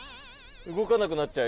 動かなくなっちゃう